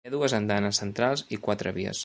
Hi ha dues andanes centrals i quatre vies.